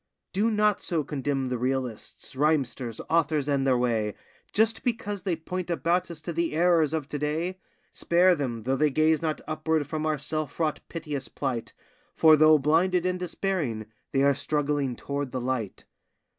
Do not so condemn the realists, rhymesters, authors, and their way, Just because they point about us to the errors of to day; Spare them, though they gaze not upward from our self wrought piteous plight, For, though blinded and despairing, they are struggling toward the light.